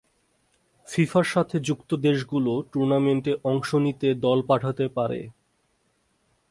ফিফার সাথে যুক্ত দেশগুলো টুর্নামেন্টে অংশ নিতে দল পাঠাতে পারে।